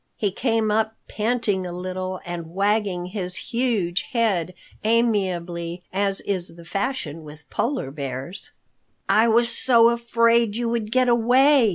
He came up panting a little and wagging his huge head amiably as is the fashion with Polar Bears. "I was so afraid you would get away!"